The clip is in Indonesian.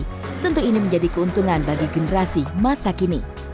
dan mencari tentu ini menjadi keuntungan bagi generasi masa kini